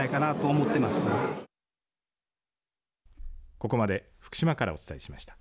ここまで福島からお伝えしました。